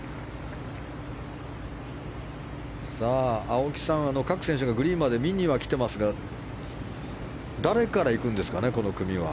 青木さん、各選手がグリーンまで見には来ていますが誰から行くんですか、この組は。